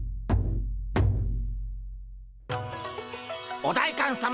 お代官さま